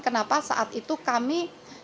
kenapa saat itu kami